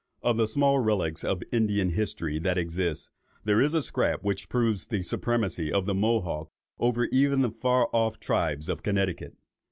Of the small relics of Indian history that exist, there is a scrap which proves the supremacy of the Mohawk over even the far off tribes of Connecticut.